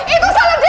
itu salah bayu